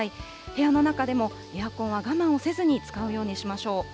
部屋の中でもエアコンは我慢をせずに使うようにしましょう。